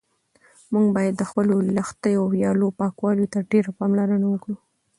موږ باید د خپلو لښتیو او ویالو پاکوالي ته ډېره پاملرنه وکړو.